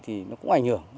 thì nó cũng ảnh hưởng